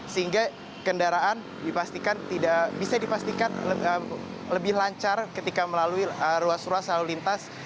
sehingga kendaraan tidak bisa dipastikan lebih lancar ketika melalui ruas ruas lalu lintas